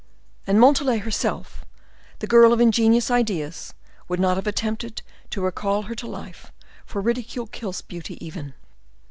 And Montalais herself, the girl of ingenious ideas, would not have attempted to recall her to life; for ridicule kills beauty even.